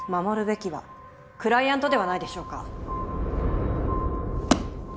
守るべきはクライアントではないでしょうか。